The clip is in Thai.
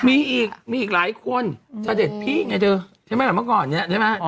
มีอีกมีอีกหลายคนชาเด็ดพี่ไงเธอใช่มั้ยเหมือนก่อนเนี่ยใช่มั้ย